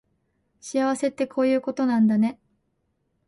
幸せってこういうことなんだね